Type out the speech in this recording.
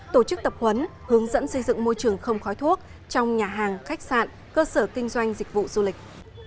tổ chức tập huấn hướng dẫn xây dựng môi trường không khói thuốc trong nhà hàng khách sạn cơ sở kinh doanh dịch vụ du lịch